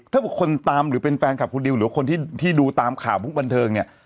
ถ้าบุคคลตามหรือเป็นแฟนคลับคุณดิวหรือคนที่ดูตามข่าวพวกบันเทิงเนี่ย